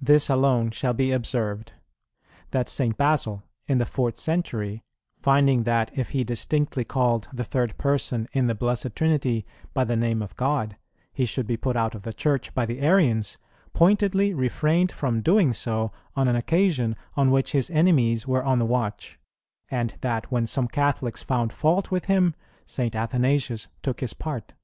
This alone shall be observed, that St. Basil, in the fourth century, finding that, if he distinctly called the Third Person in the Blessed Trinity by the Name of God, he should be put out of the Church by the Arians, pointedly refrained from doing so on an occasion on which his enemies were on the watch; and that, when some Catholics found fault with him, St. Athanasius took his part.